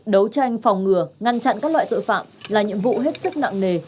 đấu tranh phòng ngừa ngăn chặn các loại tội phạm là nhiệm vụ hết sức nặng nề